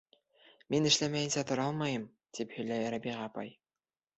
Мин эшләмәйенсә тора алмайым, — тип һөйләй Рабиға апай.